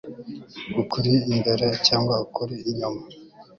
ukuri imbere cg ukuri inyuma